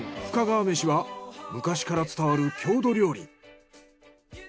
深川めしは昔から伝わる郷土料理。